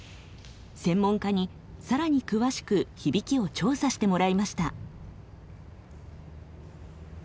専門家に更に詳しく響きを調査してもらいました。